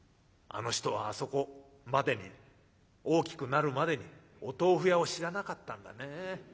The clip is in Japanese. あの人はあそこまでに大きくなるまでにお豆腐屋を知らなかったんだね。